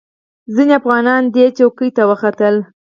ځینې افغانان دې څوکې ته وختل.